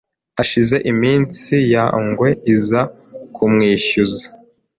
Hashize iminsi ya ngwe iza kumwishyuza